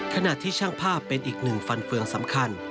ขณะที่ช่างภาพเป็นอีกหนึ่งฟันเฟืองสำคัญ